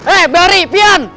eh bari pian